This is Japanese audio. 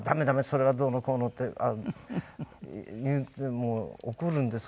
それはどうのこうのってもう怒るんですよ。